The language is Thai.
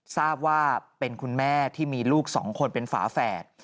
ทราบว่าเป็นคุณแม่ที่มีลูก๒คนเป็นฝาแฝด